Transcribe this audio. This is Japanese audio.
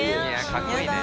かっこいいね。